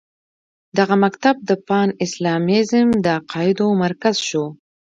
دغه مکتب د پان اسلامیزم د عقایدو مرکز شو.